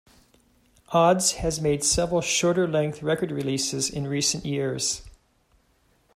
Odds has made several shorter-length record releases in recent years.